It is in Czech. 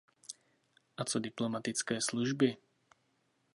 A co diplomatické služby?